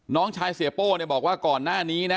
น้องชายเสียโป้เนี่ยบอกว่าก่อนหน้านี้นะ